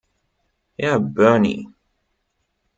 Herr Byrne!